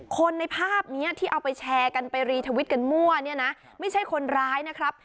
คนในภาพนี้ที่เอาไปแชร์กันไปรีทวิตกันมั่วเนี่ยนะไม่ใช่คนร้ายนะครับ